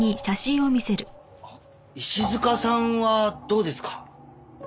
石塚さんはどうですか？